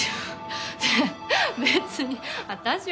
べ別に私は。